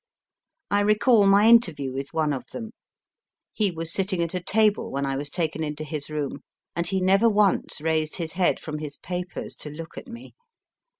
I recall my interview with one of them. He was sitting at a table when I was taken into his room, and he never once raised his head from his papers to look at me.